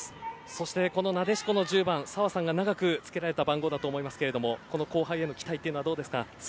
そして、なでしこの１０番澤さんが長くつけられた番号だと思いますがこの後輩への期待はどうですか？